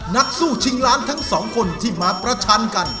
นักสู้ชิงล้านทั้งสองคนที่มาประชันกัน